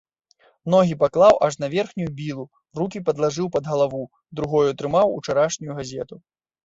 Ногі паклаў аж на верхнюю білу, руку падлажыў пад галаву, другою трымаў учарашнюю газету.